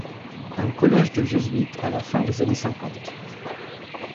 Un collège de Jésuites à la fin des années cinquante.